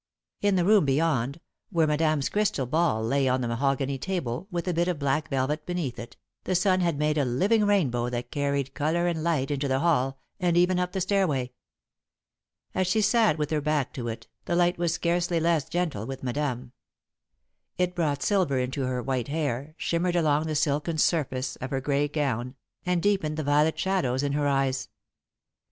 In the room beyond, where Madame's crystal ball lay on the mahogany table, with a bit of black velvet beneath it, the sun had made a living rainbow that carried colour and light into the hall and even up the stairway. As she sat with her back to it, the light was scarcely less gentle with Madame. It brought silver into her white hair, shimmered along the silken surface of her grey gown, and deepened the violet shadows in her eyes.